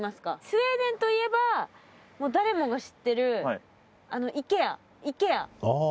スウェーデンといえば誰もが知ってるあの。